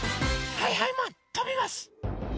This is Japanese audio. はいはいマンとびます！